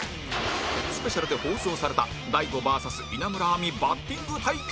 スペシャルで放送された大悟 ＶＳ 稲村亜美バッティング対決！